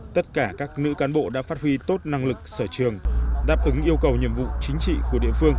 tất cả các nữ cán bộ đã phát huy tốt năng lực sở trường đáp ứng yêu cầu nhiệm vụ chính trị của địa phương